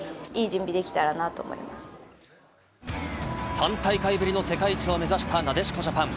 ３大会ぶりの世界一を目指したなでしこジャパン。